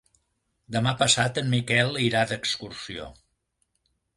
Demà passat en Miquel irà d'excursió.